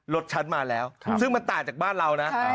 รถฉันมาแล้วซึ่งมันต่างจากบ้านเรานะ